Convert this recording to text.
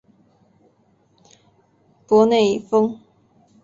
博内丰。